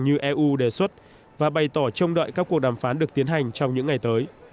như eu đề xuất và bày tỏ trông đợi các cuộc đàm phán được tiến hành trong những ngày tới